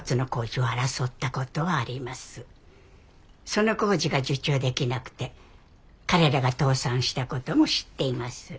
その工事が受注できなくて彼らが倒産したことも知っています。